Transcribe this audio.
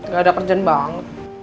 gak ada kerjaan banget